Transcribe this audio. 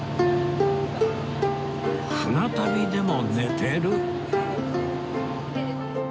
船旅でも寝てる